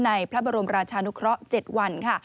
พระบรมราชานุเคราะห์๗วันค่ะ